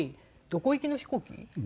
どこ行きの飛行機？